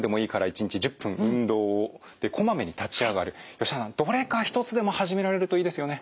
吉田さんどれか一つでも始められるといいですよね。